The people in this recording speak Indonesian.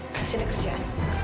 masih ada kerjaan